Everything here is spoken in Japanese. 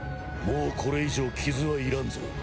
もうこれ以上傷はいらんぞ